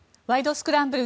スクランブル」